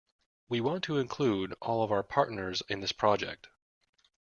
We want to include all of our partners in this project.